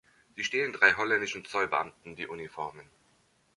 Sie stehlen drei holländischen Zollbeamten die Uniformen.